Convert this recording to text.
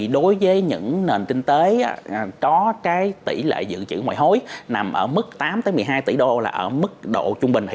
đối với những nền kinh tế có tỷ lệ dự trữ ngoại hối nằm ở mức tám một mươi hai tỷ đô là ở mức độ trung bình